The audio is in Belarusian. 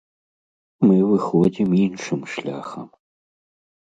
Мы выходзім іншым шляхам.